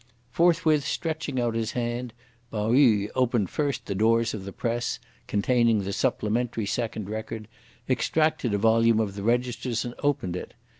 Forthwith stretching out his hand, Pao yü opened first the doors of the press, containing the "supplementary secondary Record," extracted a volume of the registers, and opened it.